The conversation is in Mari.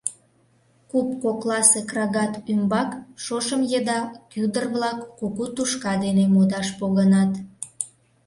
Куп кокласе крагат ӱмбак шошым еда кӱдыр-влак кугу тушка дене модаш погынат.